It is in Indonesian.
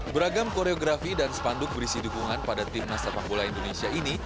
beragam koreografi dan spanduk berisi dukungan pada timnas sepak bola indonesia ini